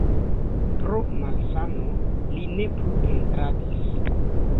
Pro malsano li ne plu pentradis.